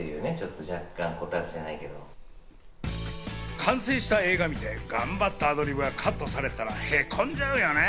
完成した映画を見て、頑張ったアドリブがカットされたら凹んじゃうよな。